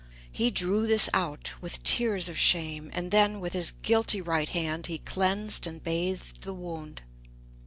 He drew this out, with tears of shame, and then, with his guilty right hand, he cleansed and bathed the wound.